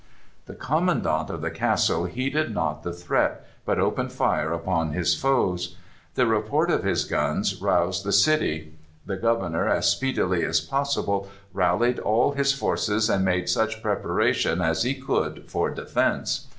The commandant of the castle heeded not the threat, but opened fire upon his foes. The report of his guns roused the city. The governor, as speedily as possible, rallied all his forces and made such preparation as he could for defence.